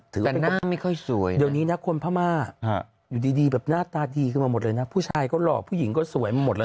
หน้าไม่ค่อยสวยเดี๋ยวนี้นะคนพม่าอยู่ดีแบบหน้าตาดีขึ้นมาหมดเลยนะผู้ชายก็หลอกผู้หญิงก็สวยมาหมดแล้ว